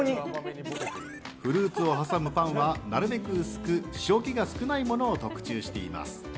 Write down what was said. フルーツを挟むパンはなるべく薄く塩気が少ないものを特注しています。